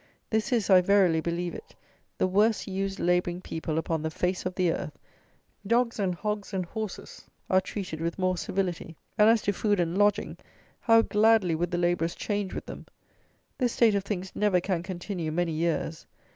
This is, I verily believe it, the worst used labouring people upon the face of the earth. Dogs and hogs and horses are treated with more civility; and as to food and lodging, how gladly would the labourers change with them! This state of things never can continue many years!